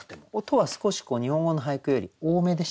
音は少し日本語の俳句より多めでしたけど。